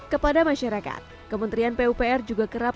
kepada masyarakat kementerian pupr juga kerap